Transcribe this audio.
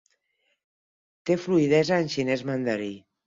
Té fluïdesa en xinès mandarí.